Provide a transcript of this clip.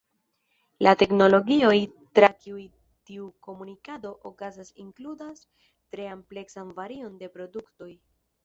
La teknologioj tra kiuj tiu komunikado okazas inkludas tre ampleksan varion de produktoj.